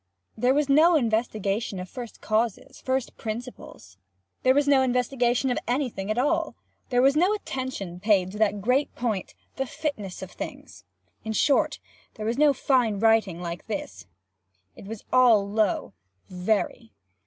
There was no investigation of first causes, first principles. There was no investigation of any thing at all. There was no attention paid to that great point, the "fitness of things." In short there was no fine writing like this. It was all low—very!